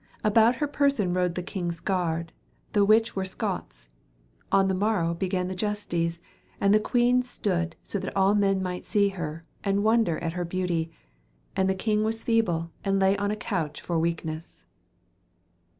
Aboute her person rode the kynge's garde the whiche wer Scottes. On the morowe bega the iustes, and the quene stode so that al men might see her, and wonder at her beautie, and the kynge was feble and lay on a couche for weakenes.